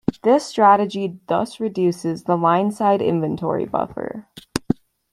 This strategy thus reduces the line-side inventory buffer.